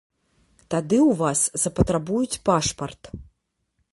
Тады ў вас запатрабуюць пашпарт.